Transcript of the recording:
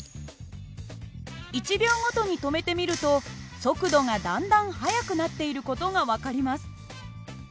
１秒ごとに止めてみると速度がだんだん速くなっている事が分かります。